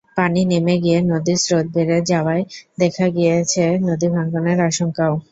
পানি নেমে গিয়ে নদীর স্রোত বেড়ে যাওয়ায় দেখা দিয়েছে নদীভাঙনের আশঙ্কাও।